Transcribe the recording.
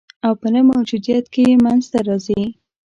او په نه موجودیت کي یې منځ ته راځي